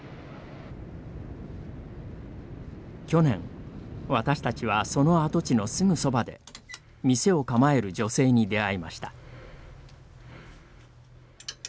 去年私たちはその跡地のすぐそばで店を構える女性に出会いました。